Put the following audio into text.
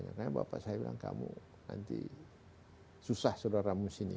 karena bapak saya bilang kamu nanti susah saudaramu sini